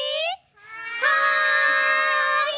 はい！